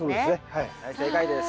はい正解です。